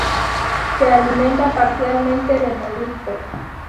Se alimenta parcialmente de moluscos.